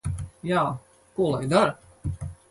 Jā. Ko lai dara?